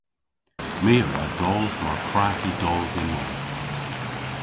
My a wra dos mar kwra hi dos ynwedh.